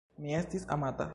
Mi estis amata.